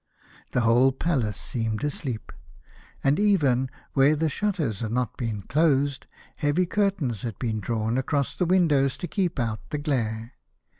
The whole palace seemed asleep, and even where the shutters had not been closed, heavy curtains had been drawn across the windows to keep out the glare.